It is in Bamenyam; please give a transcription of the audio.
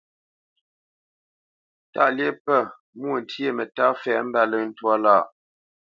Tâʼ lyeʼ pə, mwô ntyê mətá fɛ̂ mbáləŋ twâ lâʼ.